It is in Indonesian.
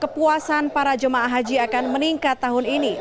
kepuasan para jemaah haji akan meningkat tahun ini